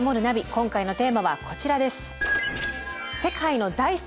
今回のテーマはこちらです。